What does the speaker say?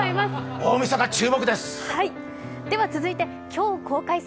大みそか、注目です！